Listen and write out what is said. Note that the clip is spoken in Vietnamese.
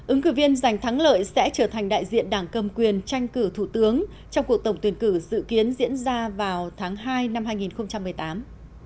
ứng cử viên giành thắng lợi sẽ trở thành đại diện đảng cầm quyền tranh cử thủ tướng trong cuộc tổng tuyển cử dự kiến diễn ra vào tháng hai năm hai nghìn một mươi tám